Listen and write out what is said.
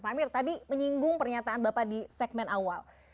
pak amir tadi menyinggung pernyataan bapak di segmen awal